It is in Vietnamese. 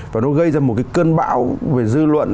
và nó gây ra một cái cơn bão về dư luận